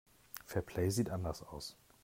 Fairplay sieht anders aus.